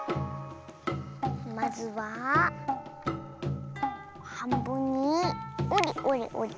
まずははんぶんにおりおりおり。